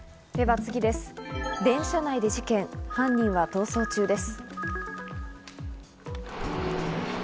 次です。